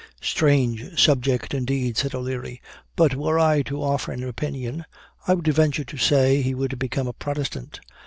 "Strange subject, indeed," said O'Leary; "but were I to offer an opinion, I would venture to say he would become a Protestant!"